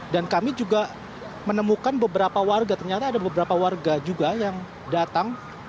dan kami juga menemukan beberapa warga ternyata ada beberapa warga juga yang datang